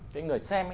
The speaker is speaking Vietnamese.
cái người xem